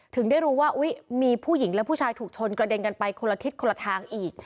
ถึงได้รู้ว่ามีผู้หญิงและผู้ชายถูกชนกระเด็นกันไปคนละทิศคนละทางอีก